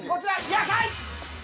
「野菜」。